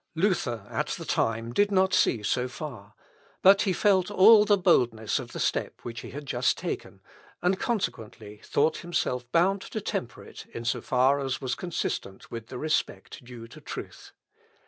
Luther, at the time, did not see so far; but he felt all the boldness of the step which he had just taken, and, consequently, thought himself bound to temper it in so far as was consistent with the respect due to truth.